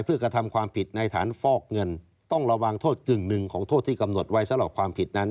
เพื่อกระทำความผิดในฐานฟอกเงินต้องระวังโทษกึ่งหนึ่งของโทษที่กำหนดไว้สำหรับความผิดนั้น